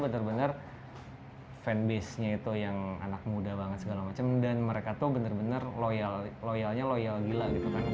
bener bener fan base nya itu yang anak muda banget segala macam dan mereka tuh bener bener loyalnya loyal gila gitu kan